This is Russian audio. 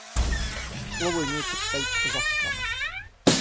Слово имеет представитель Казахстана.